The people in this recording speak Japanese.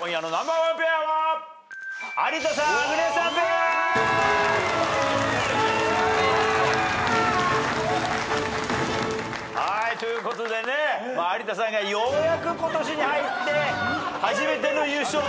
今夜のナンバーワンペアは。ということでね有田さんがようやく今年に入って初めての優勝と。